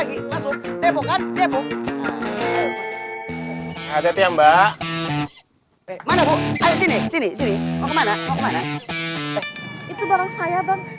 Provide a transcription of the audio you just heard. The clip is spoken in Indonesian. hati hati ya mbak mana bu sini sini mau kemana itu barang saya bang